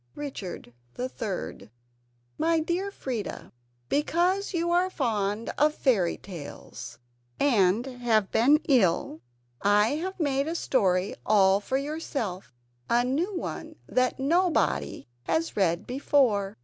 [Richard III] My Dear Freda: Because you are fond of fairytales, and have been ill, I have made you a story all for yourself a new one that nobody has read before.